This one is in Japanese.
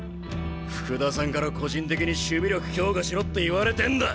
福田さんから個人的に守備力強化しろって言われてんだ！